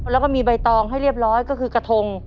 แล้วก็มีใบตองให้เรียบร้อยก็คือกระทง